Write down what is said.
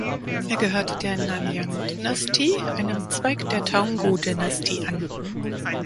Er gehörte der Nyaungyan-Dynastie, einem Zweig der Taungu-Dynastie an.